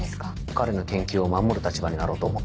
彼の研究を守る立場になろうと思った。